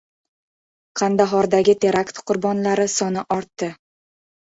Qandahordagi terakt qurbonlari soni ortdi